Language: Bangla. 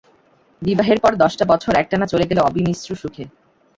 বিবাহের পর দশটা বছর একটানা চলে গেল অবিমিশ্র সুখে।